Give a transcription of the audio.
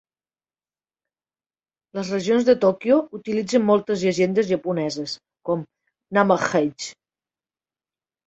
Les regions de Tokyo utilitzen moltes llegendes japoneses, com Namahage.